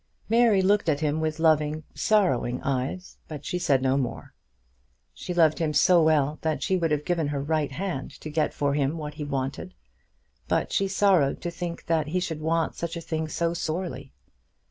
Mary looked at him with loving, sorrowing eyes, but she said no more. She loved him so well that she would have given her right hand to get for him what he wanted; but she sorrowed to think that he should want such a thing so sorely.